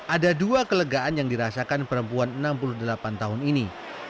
ada dua kelegaan yang dirasakan perempuan enam puluh delapan tahun ini